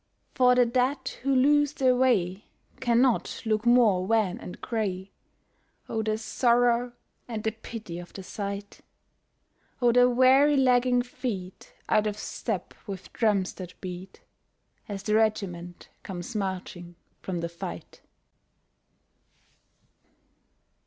For the dead who lose their way cannot look more wan and gray. Oh the sorrow and the pity of the sight, Oh the weary lagging feet out of step with drums that beat, As the regiment comes marching from the fight.